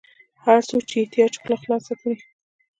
هر څوک چې په احتیاج خوله خلاصه کړي.